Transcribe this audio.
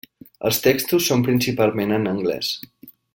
Els textos són principalment en anglès.